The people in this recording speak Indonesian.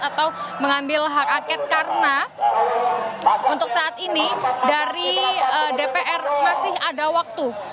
atau mengambil hak angket karena untuk saat ini dari dpr masih ada waktu